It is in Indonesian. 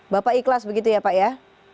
bapak ikhlas begitu ya pak ya